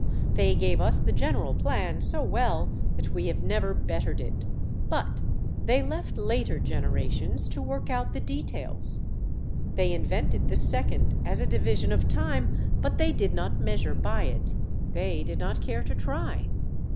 They gave us the general plan so well that we have never bettered it, but they left later generations to work out the details. They invented the second as a division of time but they did not measure by it. They did not care to try.